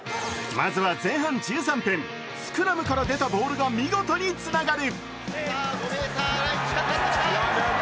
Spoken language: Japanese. まずは前半１３分、スクラムから出たボールが見事につながる。